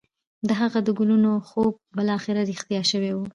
د هغه د کلونو خوب بالاخره رښتيا شوی و.